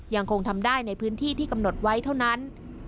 ยังคงทำได้ในพื้นที่ที่กำหนดไว้เท่านั้น